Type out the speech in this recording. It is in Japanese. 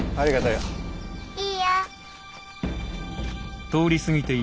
いいよ。